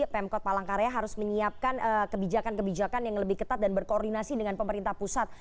pemkot palangkaraya harus menyiapkan kebijakan kebijakan yang lebih ketat dan berkoordinasi dengan pemerintah pusat